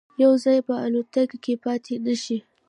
یو ځای به الوتکه کې پاتې نه شي.